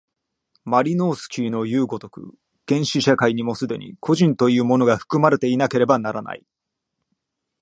マリノースキイのいう如く、原始社会にも既に個人というものが含まれていなければならない。